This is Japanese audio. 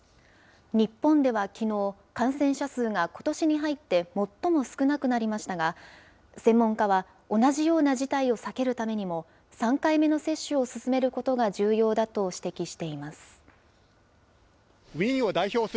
日本ではきのう、感染者数がことしに入って最も少なくなりましたが、専門家は同じような事態を避けるためにも、３回目の接種を進めることが重要だと指摘しています。